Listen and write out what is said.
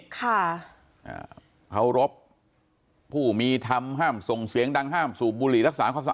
ข้ารบผู้มีธรรมห้ามส่งเสียงดังห้ามสู่บุหรี่รักษาความสอน